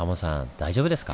大丈夫ですか？